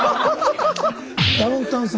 「ダウンタウンさん